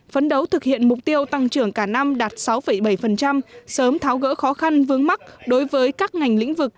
phấn đấu thực hiện mục tiêu tăng trưởng cả năm đạt sáu bảy sớm tháo gỡ khó khăn vướng mắt đối với các ngành lĩnh vực